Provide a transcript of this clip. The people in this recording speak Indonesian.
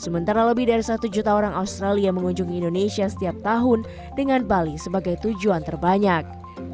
sementara lebih dari satu juta orang australia mengunjungi indonesia setiap tahun dengan bali sebagai tujuan terbanyak